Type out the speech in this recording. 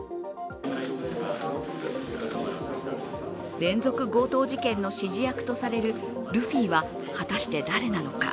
連続強盗事件の指示役とされるルフィは果たして誰なのか。